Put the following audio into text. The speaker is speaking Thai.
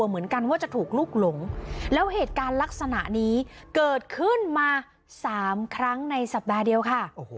เหมือนกันว่าจะถูกลุกหลงแล้วเหตุการณ์ลักษณะนี้เกิดขึ้นมา๓ครั้งในสัปดาห์เดียวค่ะ